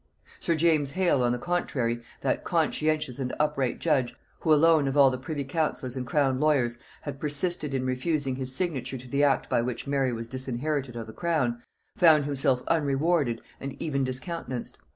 Sir James Hales on the contrary, that conscientious and upright judge, who alone, of all the privy counsellors and crown lawyers, had persisted in refusing his signature to the act by which Mary was disinherited of the crown, found himself unrewarded and even discountenanced.